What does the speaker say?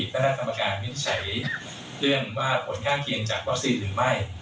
ตะทะสำราคาไม่ใช้เรื่องว่าผลค่าเพียงจากวัคซีนหรือไม่